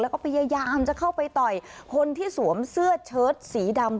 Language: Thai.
แล้วก็พยายามจะเข้าไปต่อยคนที่สวมเสื้อเชิดสีดำ